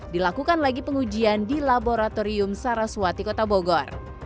dilakukan lagi pengujian di laboratorium saraswati kota bogor